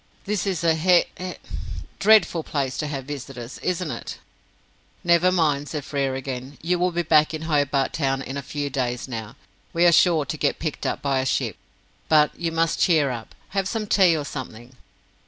This is a he e dreadful place to have visitors, isn't it?" "Never mind," said Frere, again, "you will be back in Hobart Town in a few days now. We are sure to get picked up by a ship. But you must cheer up. Have some tea or something."